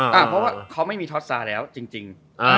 เพราะว่าเขาไม่มีท็อตซาแล้วจริง